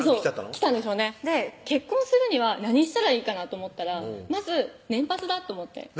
きたんですよねで結婚するには何したらいいかなと思ったらまず年パスだと思って何？